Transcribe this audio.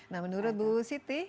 nah menurut bu siti